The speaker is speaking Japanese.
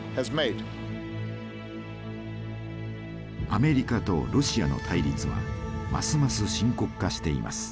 アメリカとロシアの対立はますます深刻化しています。